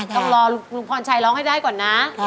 ต้องรอลุงพรชัยร้องให้ได้ก่อนนะ